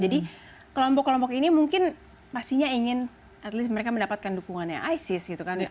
jadi kelompok kelompok ini mungkin pastinya ingin at least mereka mendapatkan dukungannya isis gitu kan